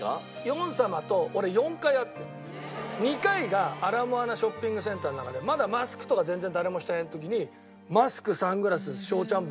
ヨン様と俺２回がアラモアナショッピングセンターの中でまだマスクとか全然誰もしてない時にマスクサングラス正ちゃん